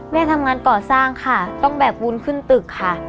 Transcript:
แม่ทำงานก่อสร้างค่ะต้องแบกบุญขึ้นตึกค่ะ